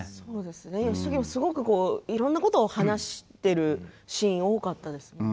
義時もすごくいろんなことを話しているシーンが多かったですよね。